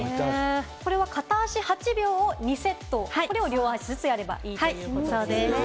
これは片足８秒を２セット、両脚をやればいいということですね。